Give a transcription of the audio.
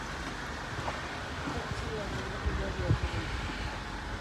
Entsalada irabiatu du.